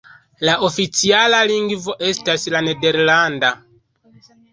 La oficiala lingvo estas la nederlanda.